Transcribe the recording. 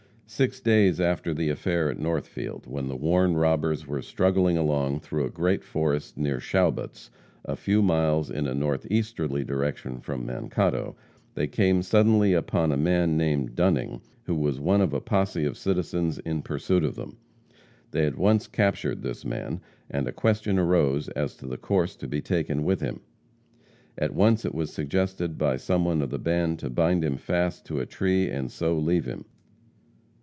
Six days after the affair at Northfield, when the worn robbers were struggling along through a great forest near Shaubut's, a few miles in a northeasterly direction from Mankato, they came suddenly upon a man named Dunning, who was one of a posse of citizens in pursuit of them. They at once captured this man, and a question arose as to the course to be taken with him. At once it was suggested by some one of the band to bind him fast to a tree and so leave him.